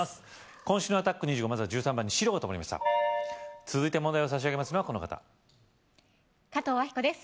今週のアタック２５まずは１３番に続いて問題を差し上げますのはこの方加藤明子です